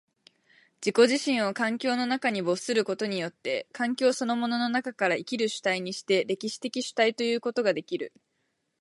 自己自身を環境の中に没することによって、環境そのものの中から生きる主体にして、歴史的主体ということができる。